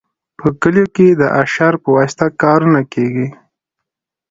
په کلیو کې د اشر په واسطه کارونه کیږي.